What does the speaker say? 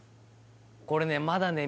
これねまだね